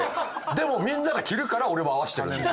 でもみんなが着るから俺も合わせてるんです。